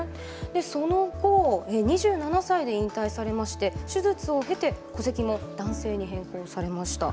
その後２７歳で引退されて手術を経て戸籍も男性に変更されました。